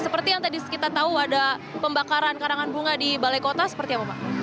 seperti yang tadi kita tahu ada pembakaran karangan bunga di balai kota seperti apa pak